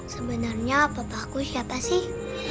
sebenernya bapakku siapa sih